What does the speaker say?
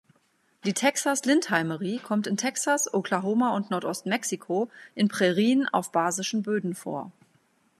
Die Texas-Lindheimerie kommt in Texas, Oklahoma und Nordost-Mexiko in Prärien auf basischen Böden vor.